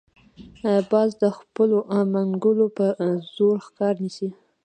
باز د خپلو منګولو په زور ښکار نیسي